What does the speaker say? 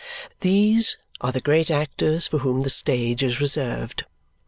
These are the great actors for whom the stage is reserved.